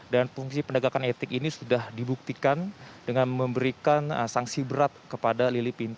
dan fungsi pendegakan etik ini sudah dibuktikan dengan memberikan sanksi berat kepada lili pintauli siregar